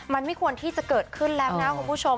มันไม่ควรที่จะเกิดขึ้นแล้วนะคุณผู้ชม